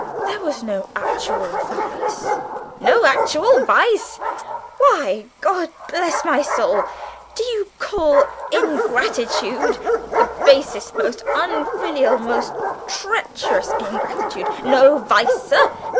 There was no actual vice." "No actual vice! Why, God bless my soul, do you call ingratitude the basest, most unfilial, most treacherous ingratitude no vice, sir?